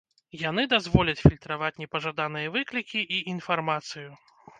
Яны дазволяць фільтраваць непажаданыя выклікі і інфармацыю.